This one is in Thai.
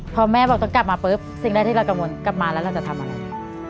พอแม่บอกต้องกลับมาปุ๊บสิ่งแรกที่เรากังวลกลับมาแล้วเราจะทำอะไร